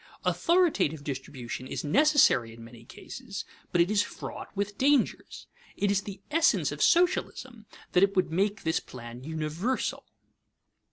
Authoritative distribution is necessary in many cases, but it is fraught with dangers. It is the essence of socialism that it would make this plan universal.